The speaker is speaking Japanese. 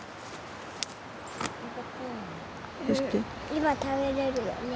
今食べれるよね。